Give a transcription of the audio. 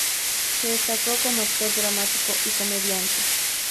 Se destacó como actor dramático y comediante.